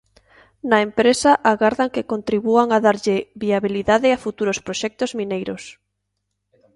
Na empresa agardan que contribúan a darlle viabilidade a futuros proxectos mineiros.